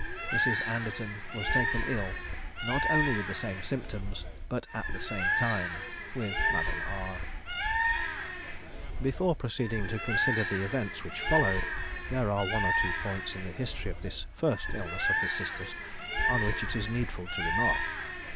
Mrs. Anderton was taken ill, not only with the same symptoms, but at the same time, with Madame R. Before proceeding to consider the events which followed, there are one or two points in the history of this first illness of the sisters on which it is needful to remark.